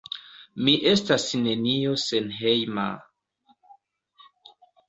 Mi estas nenio senhejma...